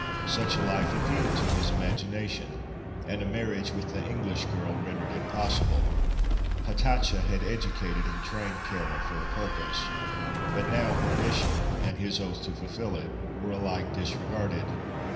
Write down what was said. Such a life appealed to his imagination, and a marriage with the English girl rendered it possible. Hatatcha had educated and trained Kāra for a purpose; but now her mission and his oath to fulfil it were alike disregarded.